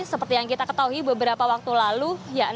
seperti yang kita ketahui beberapa waktu lalu